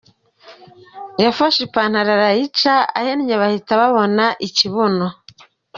Yafashe ipantaro arayica ,ahennye bahita babona ikibuno.